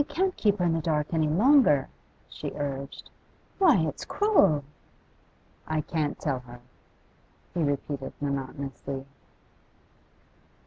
'But you can't keep her in the dark any longer,' she urged. 'Why, it's cruel!' 'I can't tell her,' he repeated monotonously.